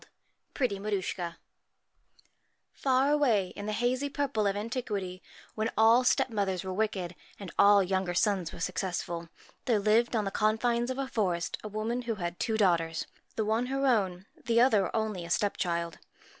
66 PRETTY MARUSCHKA LR away in the hazy purple of antiquity, when all stepmothers were wicked, and all younger sons were successful, there lived on the confines of a forest a woman who had two daughters : the one her own, the other only a step child.